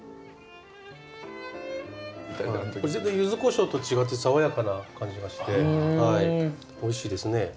全然ユズこしょうと違って爽やかな感じがしておいしいですね。